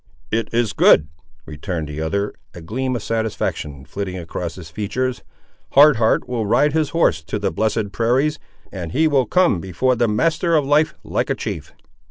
"It is good," returned the other, a gleam of satisfaction flitting across his features. "Hard Heart will ride his horse to the blessed prairies, and he will come before the Master of Life like a chief!"